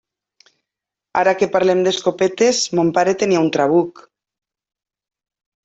Ara que parlem d'escopetes, mon pare tenia un trabuc.